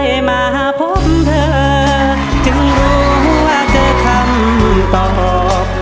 มาพบเธอจึงรู้ว่าเจอคำตอบ